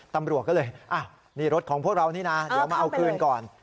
ตำรวจก็เลยนี่รถของพวกเรานี่นะเดี๋ยวมาเอาคืนก่อน